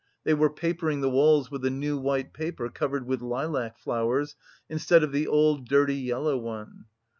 They were papering the walls with a new white paper covered with lilac flowers, instead of the old, dirty, yellow one.